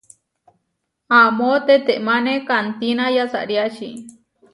Amó tetémane kantína yasariáči.